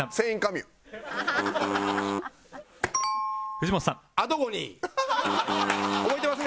藤本さん覚えてます？